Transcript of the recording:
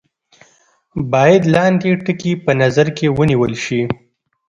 باید لاندې ټکي په نظر کې ونیول شي.